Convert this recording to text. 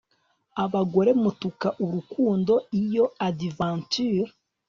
Abagore mutuka urukundo iyo adventure